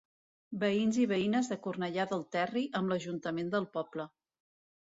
Veïns i veïnes de Cornellà del Terri amb l'Ajuntament del poble.